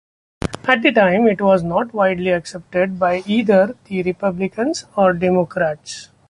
At the time it was not widely accepted by either the Republicans or Democrats.